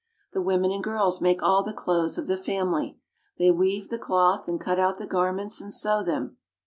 The women and girls make all the clothes of the family. They weave the cloth, and cut out the garments and sew them.